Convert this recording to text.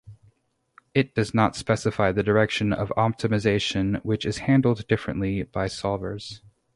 It does not specify the direction of optimization which is handled differently by solvers.